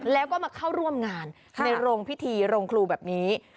แล้วก็มาเข้าร่วมงานในโรงพิธีโรงครูแบบนี้